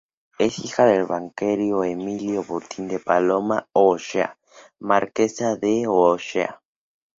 Es hija del banquero español Emilio Botín y de Paloma O'Shea, marquesa de O'Shea.